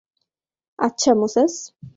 আচ্ছা, মোসেস।